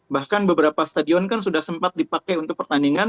bahkan beberapa stadion kan sudah sempat dipakai untuk pertandingan